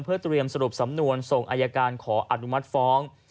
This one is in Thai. เพื่อเตรียมสรุปสำนวนส่งอายการขออนุมัติฟ้อง